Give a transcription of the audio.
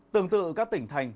tương tự các tỉnh thành